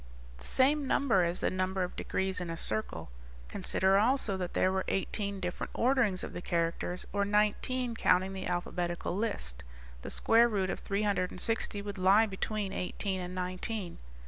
The same number as the number of degrees in a circle. Consider also that there were eighteen different orderings of the characters, or nineteen counting the alphabetical list. The square root of three hundred and sixty would lie between eighteen and nineteen."